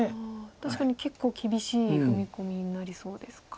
確かに結構厳しい踏み込みになりそうですか。